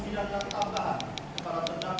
penjatuhan hak untuk mempergurangkan